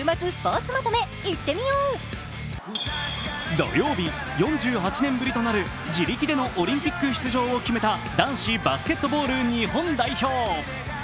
土曜日、４８年ぶりとなる自力でのオリンピック出場を決めた男子バスケットボール日本代表。